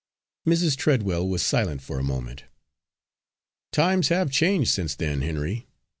Mrs. Treadwell was silent for a moment. "Times have changed since then, Henry.